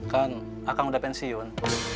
kan akang udah pensiun